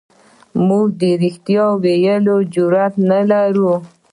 موږ د رښتیا ویلو جرئت نه لرو.